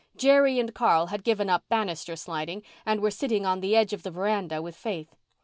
Jerry and Carl had given up banister sliding and were sitting on the edge of the veranda with Faith.